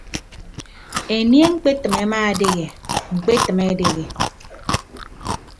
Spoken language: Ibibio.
Enie ñkpetịm ama edehe ñkpetịm edehe.